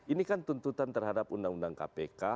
ini kan tuntutan terhadap undang undang kpk